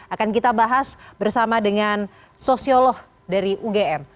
akan kita bahas bersama dengan sosiolog dari ugm